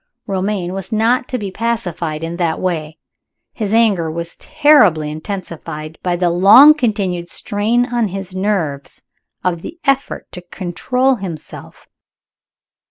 Romayne was not to be pacified in that way. His anger was trebly intensified by the long continued strain on his nerves of the effort to control himself.